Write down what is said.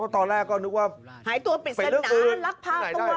ตอนแรกก็นึกว่าหายตัวปิดสนานรับภาพต้องกว่า